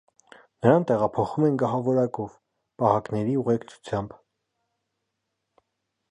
Նրան տեղափոխում են գահավորակով, պահակնների ուղեկցությամբ։